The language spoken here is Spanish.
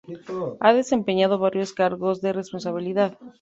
Ha desempeñado varios cargos de responsabilidad.